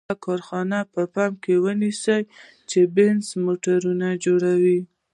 یوه کارخانه په پام کې ونیسئ چې بینز موټرونه جوړوي.